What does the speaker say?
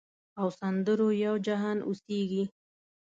او سندرو یو جهان اوسیږې